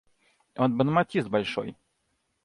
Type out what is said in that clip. Он бонмотист большой.